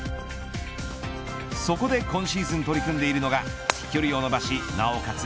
そこで今シーズン取り組んでいるのが飛距離を伸ばし、なおかつ